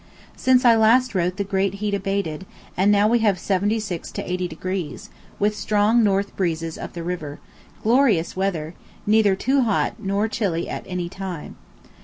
Since I last wrote the great heat abated, and we now have 76° to 80°, with strong north breezes up the river—glorious weather—neither too hot nor chilly at any time.